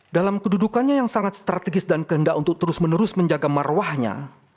dalam kedudukannya yang sangat strategis dan kehendak untuk terus menerus menjaga marwahnya